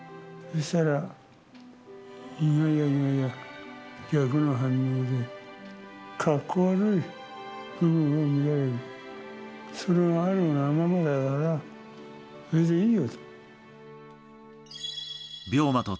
そしたら、意外や意外や、逆の反応で、かっこ悪い部分も見られる、それがあるがままだから、それでいいよと。